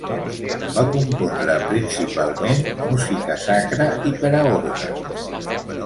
Va compondre principalment música sacra i per a orgue.